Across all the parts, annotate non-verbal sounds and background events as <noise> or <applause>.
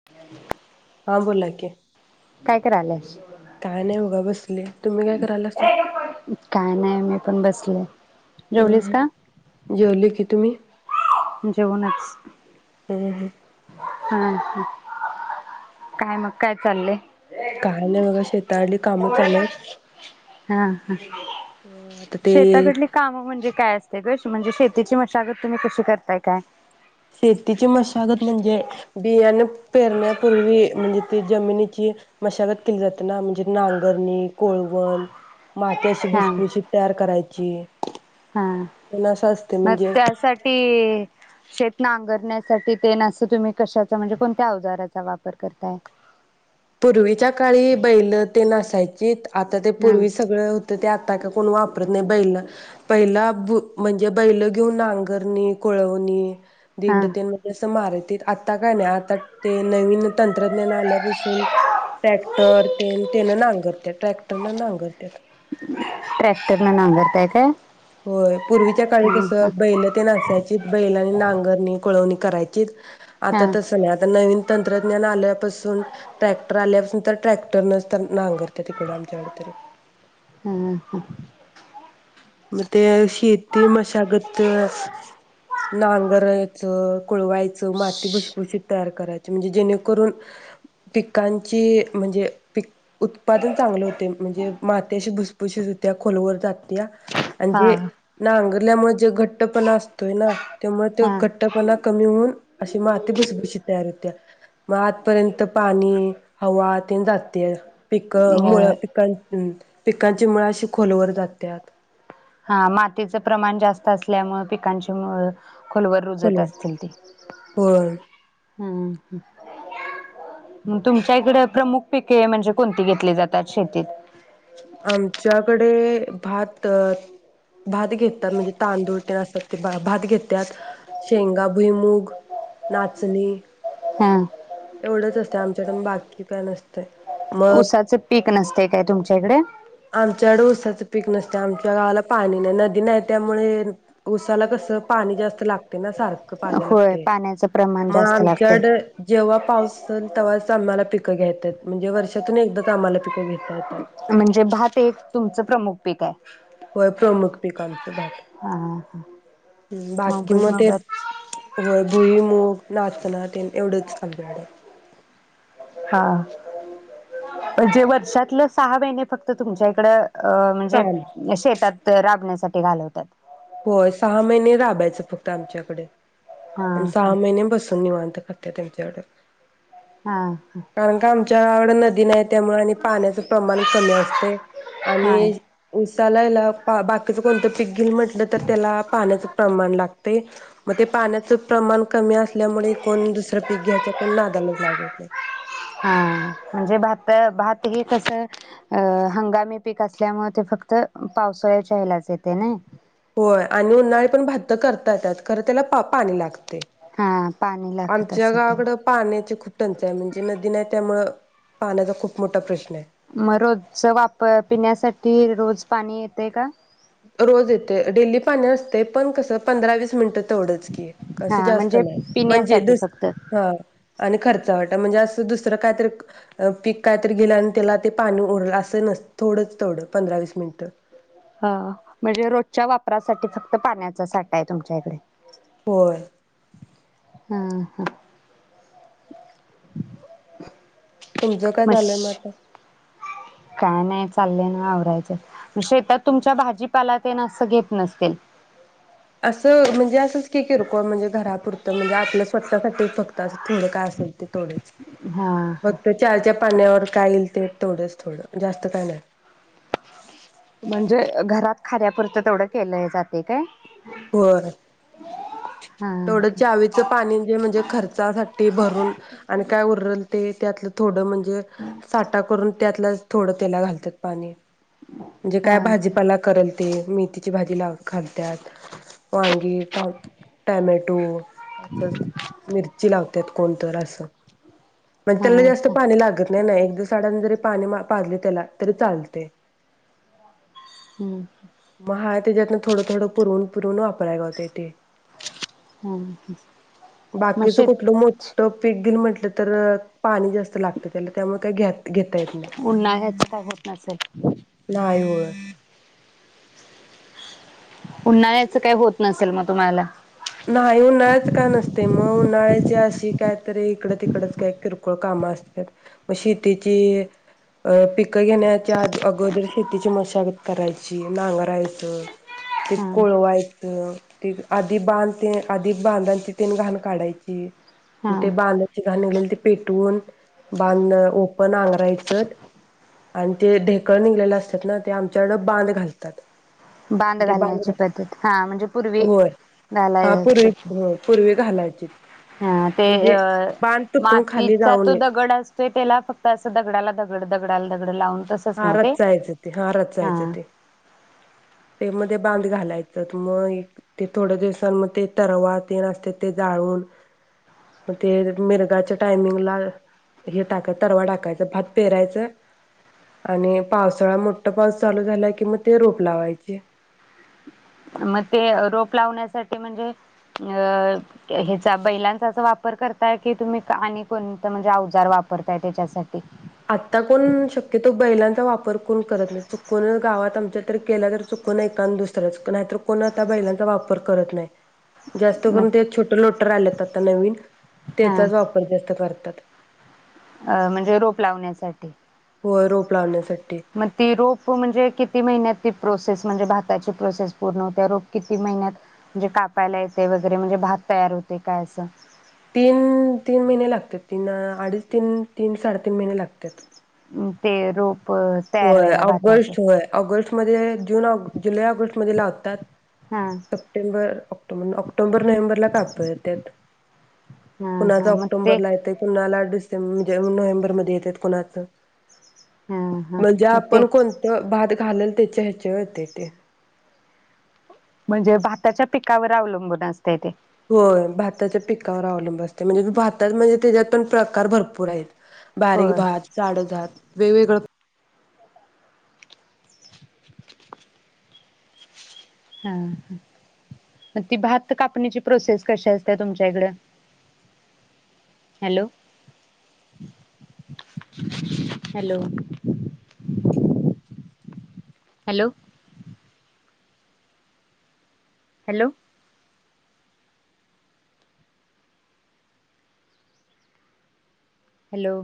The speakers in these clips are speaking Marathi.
<inaudible> <unintelligible> हा बोला की काय कारलेईस काय नाही बघा बसलोय तुम्ही काय करालासा काय नाही मी पण बसलोय हम्म जेवले की तुम्ही जेऊनच हम्म हम्म हम ह काय मग काय चाललेय काय नाही बघा शेतातली कामं चालू आहेत हा हा अ आता ते शेताकडली काम म्हणजे काय असते ग म्हणजे शेतीची मशागत तुम्ही कशी करताय काय शेतीची मशागत म्हणजे बियाण पेरण्यापूर्वी म्हणजे ती जमिनीची मशागत केली जाते ना म्हणजे नांगरणी कोळवण माती अशी हा भुसबुशीत तयार करायची हा तेन असं असते मग म्हणजे त्यासाठी शेत नांगरण्यासाठी तेन अस तुम्ही कशाचा म्हणजे कोणत्या अवजाराचा वापर करताय पूर्वीच्या काळी बैल तेन असायची आता ते हा पूर्वी सगळ तर ते आताच कोण वापरत नाही बैल पहिला म्हणजे बैल घेऊन नांगरणी कोळवणी हा दिंडतेमध्ये असं मारतीत आता काय नाही आता ते नवीन तंत्रज्ञान आल्यापासून ट्रॅक्टर ते तेन नांगरत्यात ट्रॅक्टर न नांगरत्यात ट्रॅक्टर न नांगरताय काय? होय पूर्वीच्या काळी हा कस हा बैल ते न असत असयचीत बैलानी नांगरणी कुळवणी करायचीत आता तस हा आता नवीन तंत्रज्ञान आल्यापासून, ट्रॅक्टर आल्यापासून तर, ट्रॅक्टर नच तन नांगरत्यात इकड आमच्या कडं तरी. हा हा. म तेे शेती.. मशागत हा. <unintelligible> नांगरायचं, कुळवायचं, माती भुसभुशीत तयार करायची, म्हणजे जेणेकरून... पिकांची म्हणजे, पिकऽ उत्पादन चांगलं होते, म्हंजे माती अशी भुसभूशीत होतेया, खोलवर जातेया आणि, हा जे, हा नांगरल्यामुळे जे घट्टपणा असतोय ना, त्यामुळे ते हा घटऽ ट्ट् पणा कमी होऊन, अशी माती भुसभुशीत तयार होतेया. म आतपर्यंत पानी, हवा तेन जातेया. पिकं, अ मुळं, पिकां पिकांची मुळं अशी खोलवर जात्यात. हां, मातीचं प्रमाण जास्त असल्यामुळं पिकांची मुळं खोलवर रुजत कोलम असतील ती. होय हं, हं मंग तुमच्या इकडे, प्रमुख पिके म्हणजे कोणती घेतली जातात शेतीत? आमच्याकडे भात भात घेतात, म्हणजे तांदूळ ते असत्यात, ते भात घेत्यात. शेंगा, भुईमूग, नाचणी हां. एवढंच असतय आमच्यात, अन बाक्की काय नसतय. ऊसाच पिकं नसतंय काय तुमच्या इकडे? आमच्याडे ऊसाचं पीक नसतंय, आमच्या गावाला पाणी नाही, नदी नाही त्यामुळे उसाला कसं, पानी जास्त लागते ना सारख पाजाय होय लागते, पाण्याचं प्रमाण म जास्त लागतय. आमच्याडे जेव्हा पाऊस असलं, तवाच आम्हाला पिकं घेता येतात, म्हणजे वर्षातून एकदाच आम्हाला पिकं घेता येतात. म्हणजे भात एक, तुमचं प्रमुख पीक आहे. होय, प्रमुख पिक आमचं भात, हा हा. मग बाकी म ते भुईमुगात होय, भुईमुग, नाचना तेन, एवढंच आमच्या कडे. हा, म्हणजे वर्षातलं सहा महिने फक्त तुमच्या इकडं अ म्हणजे शेतात राबण्यासाठी घालवतात. होय, सहा महिने राबायचं फक्त आमच्याकडे, हा आणि सहा हा. महिने बसून निवांत खाता त्या त्यांच्याकडे हा हा. कारण का, आमच्याकड नदी नाही, त्यामुळे आनि पान्याचं प्रमान कमी असतय, हा. आनि उसाला इला, बाकीचं कोणतं पीक घिल म्हटलं तर, त्याला पाण्याचं प्रमाण लागतय. म ते पान्याचं प्रमान कमी असल्यामुळे, कोन, दुसरं पीक घ्यायच्या कोन, नादालाच लागत नाही. हा हा म्हणजे भात, भात हे कसं अ हंगामी पीक असल्यामुळं, ते फक्त पावसाळ्याच्या ह्यलाच येते. नाई? होय, आणि उन्हाळी पण भात्त करता येतात, खरं त्याला पा पाणी लागतय. हा पाणी लागत आमच्या असेल गावाकडं त्याला पान्याची खूप टंचाई आहे, म्हनजे नदी नाही त्यामुळं, पान्याचा खूप मोठा प्रश्न आये. मग रोजच वापर, पिण्यासाठी रोज पाणी येतय का? रोज येते. डेली पाणी असते, पण कसं पंधरा-वीस मिनटं तेवढंच की कसं हा जास्त म्हणजे नाही, म्हनजे पिण्यासाठी दुस फक्त हा, आणि खर्च वाटं, म्हणजे असं दुसरं कायतर पिक काय तरी गेलं आणि त्याला ते पाणी ओरलं, अस नस थोडंच तेवडं पंधरा वीस मिनिटं. हं, म्हणजे रोजच्या वापरासाठी फक्त पाण्याचा साठा आहे तुमच्या इकडे. होय. हा हा. तुमचं काय मश झालंय मग आता? काय नाही चालत ना आवरायचं,, शेतात तुमच्या भाजीपाला ते न असं घेत नसतील. असं म्हणजे असंच कि किरकोळ, म्हणजे घरापुरतं म्हणजे आपल्या स्वतःसाठीच फक्त असं थोड काय असेल ते थोडचं,, हा हा मग ते चारच्या पाण्यावर काय येईल ते थोडंच थोडं, जास्त काय नाही. म्हणजे, घरात खान्यापुरतं तेवढं केलंय जातंय काय? होय, हा तेवढंच चावीचं पाणीे म्हणजे खर्चासाठी भरून, आणि काय उरल ते त्यातलं थोडं म्हण जे, साठा करून त्यातलंच थोडं त्याला घालत्यात पाणी. म्हणजे हा काय भाजीपाला करल ते मेथीची भाजी लाव खालत्यात,, वांगी टॅ टाॅमॅटो असं,, मिरची लावत्यात कोणतर असं,, पण हा त्याला जास्त ह पाणी लागत नाही नाही, एक दिस आडानं जरी पाणी पाजले त्याला, तरी चालतय. हम्म. मग हाय त्याच्यातन थोडं थोडं पुरवून पुरवून वापराय गावतयं तेे. ह मग बाकीच शेत कुठलं मोठ ट पीक घील म्हटलं तर, पाणी जास्त लागतं त्याला त्यामुळे काय घ्या घेता येत नाही. उन्हाळ्याचं काय होत नसल. नाई होय. उन्हाळ्याचं काय होत नसेल मग तुम्हाला. नाही उन्हाळ्याच काय नसतय,, मग उन्हाळ्याची अशी कायतरी इकड तिकडच काय किरकोळ खोळ कामं असत्यात, मग शितीची अ पिकं घेण्याच्या अगोदर शेतीची मशागत करायची, नांगरायचं ते हा कोळवायचं, ते आधी बांध ते आधी बांधांचीतेन घाण काडायची. हा ते बांधाची घाण निघलेल ते पेटवून, बांध ओपन नांगरायचं. आणि ते ढेकळं निघलेले असतात ना ते आमच्याइकडं बांध घालतात. बांध ते घालण्याची बांध पद्धत,, हा म्हणजे पूर्वी होय हा पूर्वी घालायची हो पूर्वी घालायचीत. हा ते अ खाली मातीचा जाऊ तो नये दगड अस ते त्येला फक्त असं दगडाला दगड दगडाला दगड लावून तसं हा, रचायच ते हा रचायचते. <inaudible> ते मध्ये बांध घालायचत, मग एक ते थोड्या दिवसां मग ते तरवा तेन असत्यात ते जाळून पते मिरगाच्या टायमिंग ला हे टाका तरवा टाकायचं भात पेरायचं आणि पावसाळा मोठठा पाऊस चालू झाला की मग ते रोप लावायची. म ते रोप लावण्यासाठी म्हणजे अ ह्याचा, बैलांचाच वापर करताय की तुम्ही आणि कोणता म्हणजे अवजार वापरताय त्याच्यासाठी? आता कोण शक्यतो बैलांचा वापर कोण करत नाही. चुकून गावात आमच्या तर केला तर चुकून एकान दुसरच नाहीतर कोण आता बैलांचा वापर करत नाही. <inaudible> जास्त मग करून ते छोट लोटर आल्यात आता नवीन हा त्याचाच वापर जास्त करतात. म्हणजे रोप लावण्यासाठी. होय रोप लावण्यासाठी. मग ते रोप म्हणजे किती महिन्यात ती प्रोसेस म्हणजे भाताची प्रोसेस पूर्ण होते. रोप किती महिन्यात म्हणजे कापायला येतय वगैरे म्हणजे भात तयार होतय काय अस. तीन तीन महिने लागतात तीन, अडीच तीन, तीन साडेतीन महिने लागतात. ते रोप तयार होय व्हायला भाताचं ऑगस्ट होय ऑगस्ट मध्ये जून, ऑग जुलै -ऑगस्ट मध्ये लावतात. हा सप्टेंबर, ऑक्टोबर, ऑक्टोबर, नोव्हेंबरला कापता येतात. हा कुणाच हा मग ते ऑक्टोंबरला येतय कुणाला डिसें म्हणजे नोव्हेंबरमध्ये येतेत कुणाच. हा हा म्हणजे मग ते आपण कोणत भात घालल त्याच्या ह्याच्यावर येतय ते. म्हणजे भाताच्या पिकावर अवलंबून असतय ते. होय भाताच्या पिकावर अवलंबून असते, म्हणजे भातात म्हणजे त्याच्यात पण प्रकार भरपूर आहेत. बारीक होय भात, जाड भात वेगवेगळ हां मग ती भात कापणीची प्रोसेस कशी असते तुमच्या इकड? Hello hello hello hello hello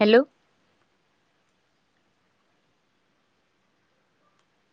hello